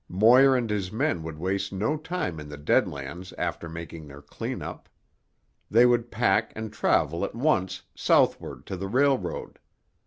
Moir and his men would waste no time in the Dead Lands after making their cleanup. They would pack and travel at once, southward, to the railroad.